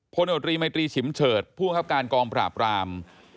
โพนีโอดรีมายตรีฉิมเฉิดผู้เมืองคับการกองปราบราม